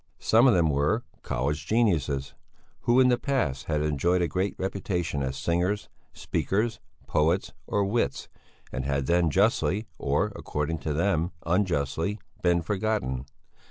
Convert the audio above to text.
Some of them were "college geniuses," who in the past had enjoyed a great reputation as singers, speakers, poets or wits, and had then justly or according to them unjustly been forgotten.